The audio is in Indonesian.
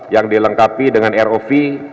yang dilengkapi dengan rov